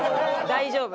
大丈夫。